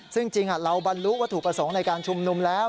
ซึ่งจริงเราบรรลุวัตถุประสงค์ในการชุมนุมแล้ว